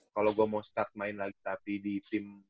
kalau gue mau start main lagi tapi di tim